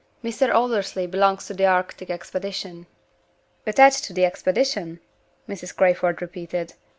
Mr. Aldersley belongs to the Arctic expedition." "Attached to the expedition?" Mrs. Crayford repeated.